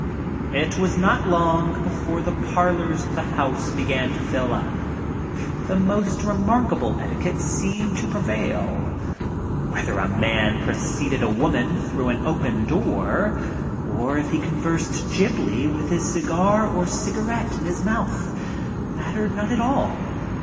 It was not long before the parlors of the house began to fill up. The most seemed to prevail. Whether a man preceeded a woman through an open door, or if he gibly with his cigar or cigarette in his mouth, mat tered not at all.